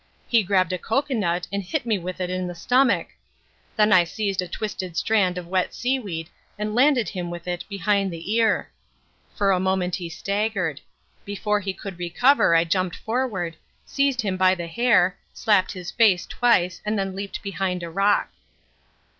He grabbed a coco nut and hit me with it in the stomach. Then I seized a twisted strand of wet seaweed and landed him with it behind the ear. For a moment he staggered. Before he could recover I jumped forward, seized him by the hair, slapped his face twice and then leaped behind a rock.